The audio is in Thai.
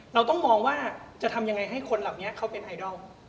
เราต้องมองว่าจะทำยังไงให้คนเหล่านี้เขาเป็นไอดอล